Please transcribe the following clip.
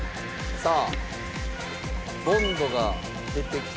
さあ。